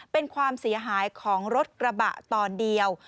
เป็นความเสียหายของรถกระบะตอนเดียว